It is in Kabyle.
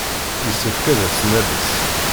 Yessefk ad as-nales.